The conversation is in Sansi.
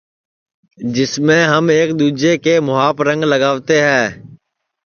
جسمیں ہم ایک دؔوجے کے مُہاپ رنگ لگاوتے ہے